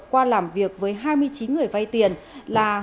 qua làm việc với hai mươi chín người vai tiền là hơn bảy trăm tám mươi triệu đồng